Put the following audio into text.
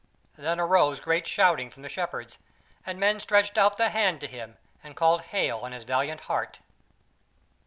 Then arose great shouting from the Shepherds, and men stretched out the hand to him and called hail on his valiant heart.